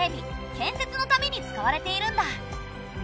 ・建設のために使われているんだ。